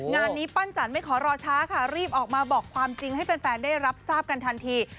งานนี้ปั้นจันไม่ขอรอช้าค่ะรีบออกมาบอกความจริงให้แฟนได้รับทราบกันทันที